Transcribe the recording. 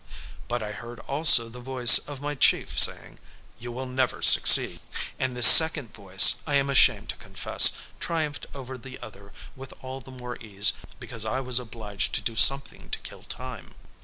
But I heard also the voice of my chief saying, "You will never succeed." And this second voice, I am ashamed to confess, triumphed over the other with all the more ease because I was obliged to do something to kill time.